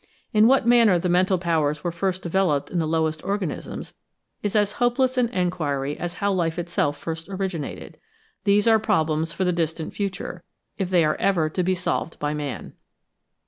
In what manner the mental powers were first developed in the lowest organisms, is as hopeless an enquiry as how life itself first originated. These are problems for the distant future, if they are ever to be solved by man.